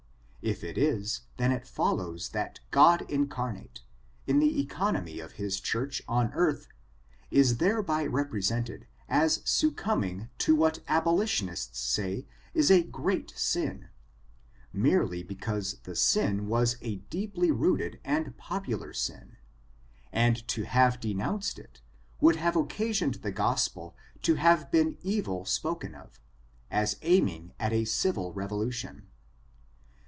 If it t>, then it follows that God incarnate, in the economy of his church on earth, is thereby represented as succumbing to what abolition* ^0^0^f^0^^^^^^i^*^ FORTUNES, OF THE NEGRO RACE. 307 iets say is a great sin, merely because the sin was a deeply rooted and popular sin, and to have de nounced it, would have occasioned the Gospel to have been evil spoken of, as aiming at a civil revolution.